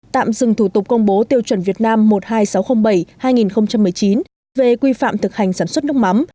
tạm dừng thủ tục công bố tiêu chuẩn việt nam một mươi hai nghìn sáu trăm linh bảy hai nghìn một mươi chín về quy phạm thực hành sản xuất nước mắm